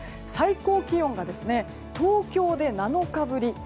最高気温が東京で７日ぶり